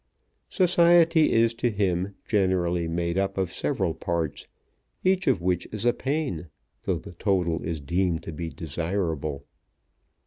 Society is to him generally made up of several parts, each of which is a pain, though the total is deemed to be desirable.